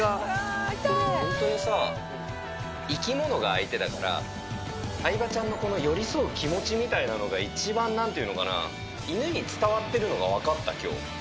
本当にさ、生き物が相手だから、相葉ちゃんのこの寄り添う気持ちみたいなのが、一番、なんていうのかな、犬に伝わってるのが分かった、きょう。